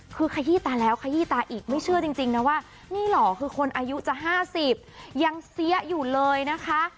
คือขยี้ตาแล้วขยี้ตาอีกไม่เชื่อจริงนะว่านี่หล่อคือคนอายุจะ๕๐ยังเสียอยู่เลยนะคะ